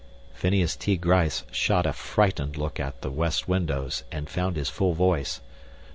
Phineas T. Gryce shot a frightened look at the west windows and found his full voice.